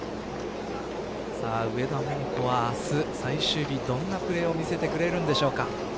上田桃子は明日最終日どんなプレーを見せてくれるんでしょうか。